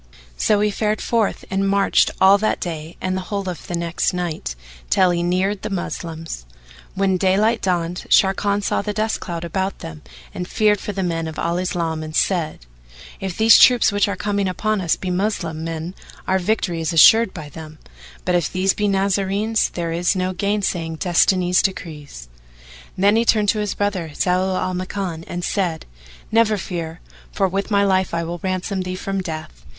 So he fared forth and marched all that day and the whole of the next night, till he neared the Moslems. When daylight dawned, Sharrkan saw the dust cloud about them; and feared for the men of Al Islam and said, "If these troops which are coming upon us be Moslem men our victory is assured by them; but, if these be Nazarenes, there is no gainsaying Destiny's decrees." Then he turned to his brother, Zau al Makan, and said, Never fear, for with my life I will ransom thee from death.